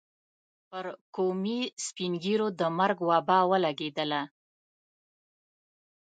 پر قومي سپين ږيرو د مرګ وبا ولګېدله.